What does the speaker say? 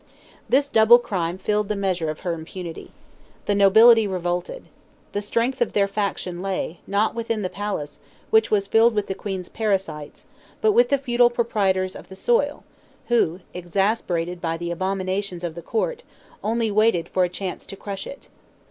This double crime filled the measure of her impunity. The nobility revolted. The strength of their faction lay, not within the palace, which was filled with the queen's parasites, but with the feudal proprietors of the soil, who, exasperated by the abominations of the court, only waited for a chance to crush it.